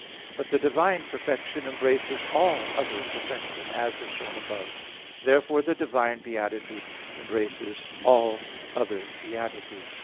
But the divine perfection embraces all other perfection, as was shown above (Q. 4, A. 2). Therefore the divine beatitude embraces all other beatitudes.